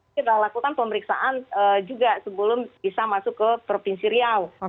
kita lakukan pemeriksaan juga sebelum bisa masuk ke provinsi riau